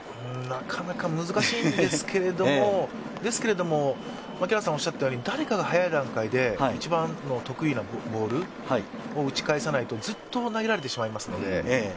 なかなか難しいですけれども、槙原さん、おっしゃったように誰かが早い段階で一番の得意なボールを打ち返さないとずっと投げられてしまいますので。